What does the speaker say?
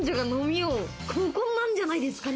合コンなんじゃないですかね。